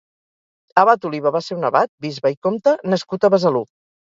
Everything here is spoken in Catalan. abat Oliba va ser un abat, bisbe i comte nascut a Besalú.